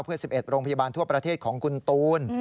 เพื่อ๑๑โรงพยาบาลทั่วประเทศของคุณตูน